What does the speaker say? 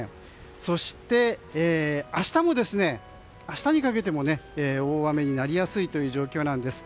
そして明日にかけても大雨になりやすい状況です。